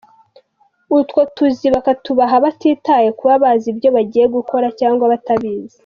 Utwo tuzi bakatubaha batitaye kuba bazi ibyo bagiye gukora cyangwa batabizi.